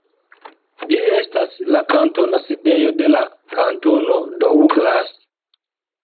Ĝi estas la kantona sidejo de la kantono Douglas.